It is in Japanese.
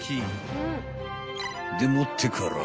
［でもってから］